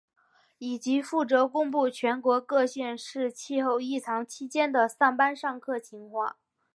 以及负责公布全国各县市气候异常期间的上班上课情况。